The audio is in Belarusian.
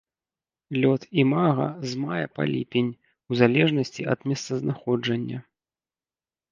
Лёт імага з мая па ліпень у залежнасці ад месцазнаходжання.